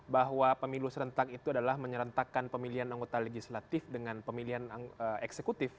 bahwa pemilu serentak itu adalah menyerentakkan pemilihan anggota legislatif dengan pemilihan eksekutif